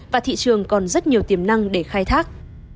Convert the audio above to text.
và thị trường còn rất nhiều tiềm năng để khai thác